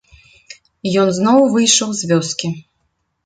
Ён зноў выйшаў з вёскі.